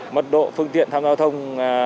mật độ phương tiện tham gia giao thông